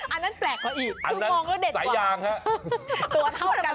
อันนั้นอันนั้นใกล้อีกตัวนั่นไม่ใช้ห้องวันต้อง